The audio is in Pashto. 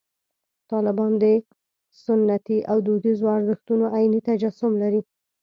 طالبان د سنتي او دودیزو ارزښتونو عیني تجسم لري.